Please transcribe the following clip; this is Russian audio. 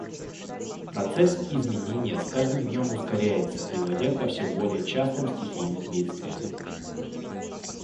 Процесс изменения с каждым днем ускоряется, приводя ко все более частым стихийным бедствиям.